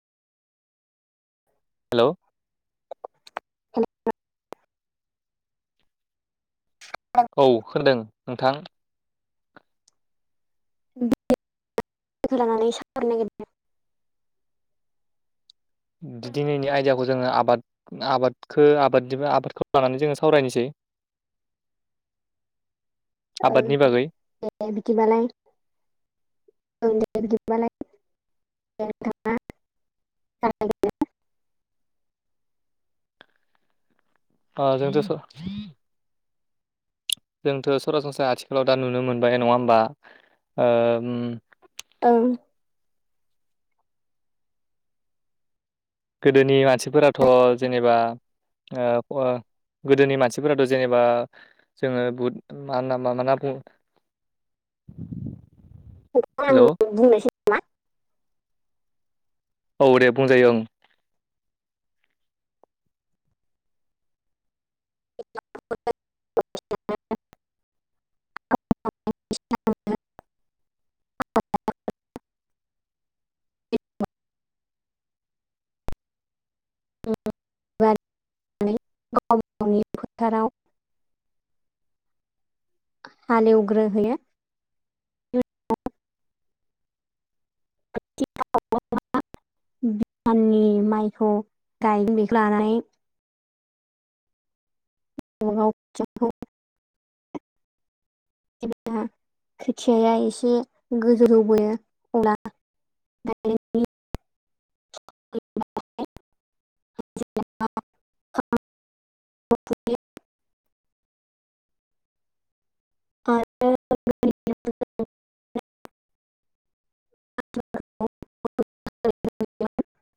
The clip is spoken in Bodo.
हेलौ खौ औ खोनादों नोंथां। [unintelligible] लानानै सावरनो नागिरदों। दिनैनि आयदाखौ जोङो आबाद आबादखौ आबाद आबादखौ लानानै जोङो सावरायनोसै [inaudible] औ आबादनि बागै दे बिदिबालाय औ दे बिदाबालाय नोंथाङा [unintelligible] आ जोंथ जोंथ' सरासनस्रा आथिखालाव दा नुनो मोनबाय नङा होमबा औ गोदोनि मानसिफोराथ' जेनेबा गोदोनि मानसिफोराथ' जेनेबा जोङो बुथ मा होन मा होनना बुङो [inaudible] आं हेलौ बुंनोसै नामा औ दे बुंजायो ओं [unintelligible] [unintelligible] [unintelligible] गाव गावनि फोथाराव हाल एवग्रो होयो [unintelligible] नि माइखौ गाय बेखौ लानानै [unintelligible] जेनेबा खोथिया एसे गोजो जौबोयो अब्ला माने [unintelligible] [unintelligible] [unintelligible] [unintelligible] [unintelligible]